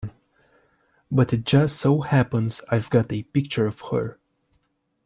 But it just so happens I've got a picture of her.